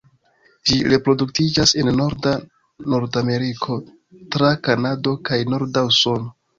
Ĝi reproduktiĝas en norda Nordameriko tra Kanado kaj norda Usono.